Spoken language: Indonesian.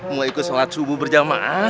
mau ikut sholat subuh berjamaah